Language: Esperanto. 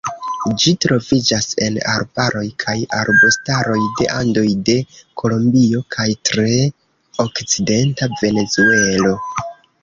Ĝi troviĝas en arbaroj kaj arbustaroj de Andoj de Kolombio kaj tre okcidenta Venezuelo.